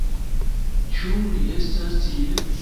Ĉu li estas tie?